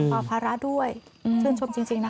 อย่างพลาดพาระด้วยเชื่อชมจริงนะคะ